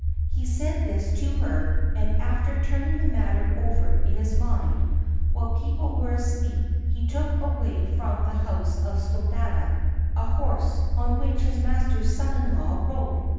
He said this to her, and after turning the matter over in his mind, while people were asleep he took away from the house of Sthuladatta a horse on which his master's son in law rode.